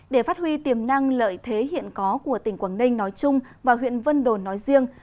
để phát huy tiềm năng lợi thế hiện có của tỉnh quảng ninh nói chung và huyện vân đồn nói riêng